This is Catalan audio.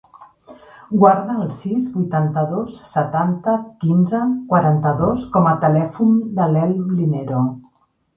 Guarda el sis, vuitanta-dos, setanta, quinze, quaranta-dos com a telèfon de l'Elm Linero.